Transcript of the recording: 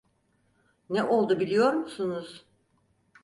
Ne oldu biliyor musunuz?